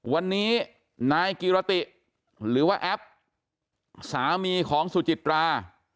วันนี้นายกิรติหรือว่าแอปสามีของสุจิตรา